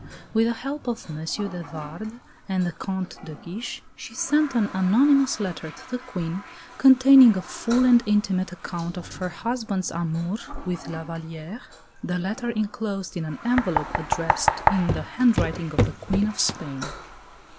With the help of M. de Vardes and the Comte de Guiche, she sent an anonymous letter to the Queen, containing a full and intimate account of her husband's amour with La Vallière the letter enclosed in an envelope addressed in the handwriting of the Queen of Spain.